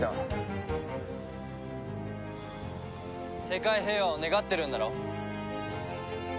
世界平和を願ってるんだろ？